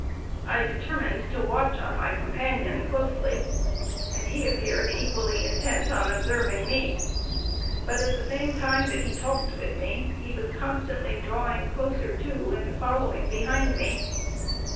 I determined to watch my companion closely, and he appeared equally intent on observing me; but at the same time that he talked with me, he was constantly drawing closer to and following behind me.